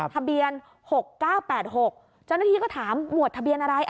ทะเบียนหกเก้าแปดหกเจ้าหน้าที่ก็ถามหมวดทะเบียนอะไร